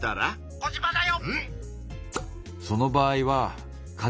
「コジマだよ！」。